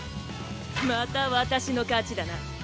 また私の勝ちだな。